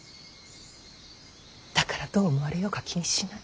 だからどう思われようが気にしない。